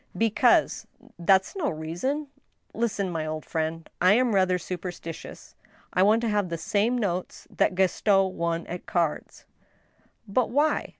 " Because —"" That's no reason." " Listen, my old friend. I am rather superstitious, I want to have the same notes that Gaston won at cards." "But why?"